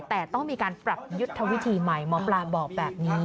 แต่ต้องมีการปรับยุทธวิธีใหม่หมอปลาบอกแบบนี้